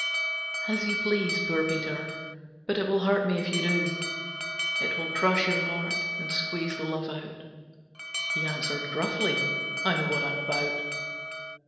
"As you please, poor Peter, but it will hurt me if you do. It will crush your heart and squeeze the love out." He answered gruffly, "I know what I'm about."